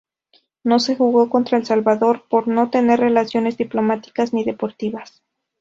No se jugó contra El Salvador, por no tener relaciones diplomáticas ni deportivas.